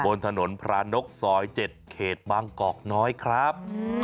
บนถนนพระนกซอย๗เขตบางกอกน้อยครับ